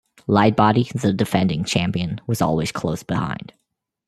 Lightbody, the defending champion, was always close behind.